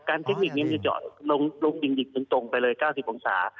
เทคนิคนี้มันจะเจาะลงดิ่งจนตรงไปเลย๙๐องศา